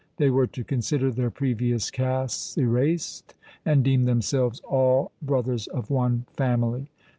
They were to consider their previous castes erased, and deem themselves all brothers of one family.